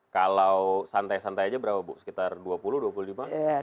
kalau santai santai aja berapa bu sekitar dua puluh dua puluh lima